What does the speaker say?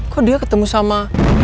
kok dia ketemu sama